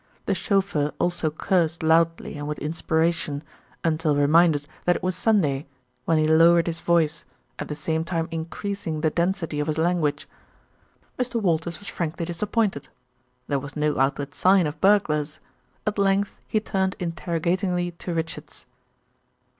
The chauffeur also cursed loudly and with inspiration, until reminded that it was Sunday, when he lowered his voice, at the same time increasing the density of his language. Mr. Walters was frankly disappointed. There, was no outward sign of burglars. At length he turned interrogatingly to Richards.